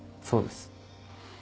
そうです。